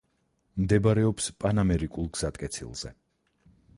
მდებარეობს პანამერიკულ გზატკეცილზე.